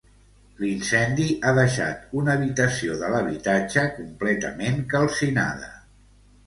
L'incendi ha deixat una habitació de l'habitatge completament calcinada.